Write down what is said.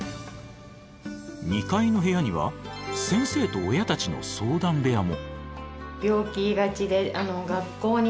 ２階の部屋には先生と親たちの相談部屋も。